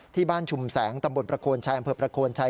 ที่บ้านชุมแสงตำบดประโคนชายอำเภอประโคนชาย